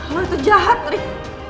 lo itu jahat rick